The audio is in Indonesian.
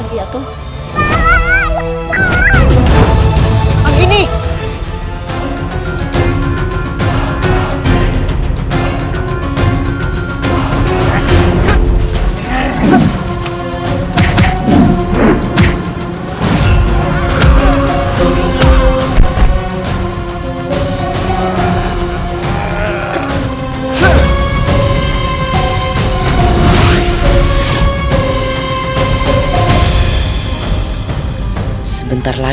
kita akan menyelektratnya